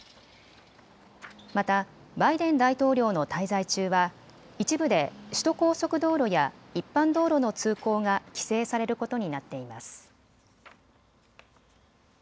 またバイデン大統領の滞在中は一部で首都高速道路や一般道路の通行が規制されることになっています。